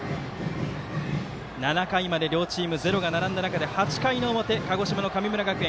７回まで両チーム、ゼロが並んだ中で８回の表、鹿児島の神村学園。